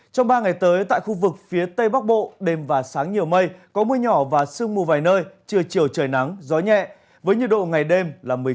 trong ba ngày tới tại khu vực phía tây bắc bộ đêm và sáng nhiều mây có mưa nhỏ và sương mù vài nơi chưa chiều trời nắng gió nhẹ với nhiệt độ ngày đêm là một mươi chín ba mươi một độ